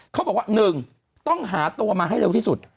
เขาบอกว่า๑ต้องหาตัวมาให้เร็วที่สุด